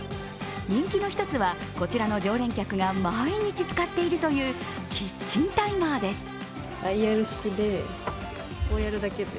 人気の１つは、こちらの常連客が毎日使っているというキッチンタイマーです。